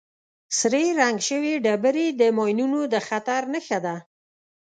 سرې رنګ شوې ډبرې د ماینونو د خطر نښه ده.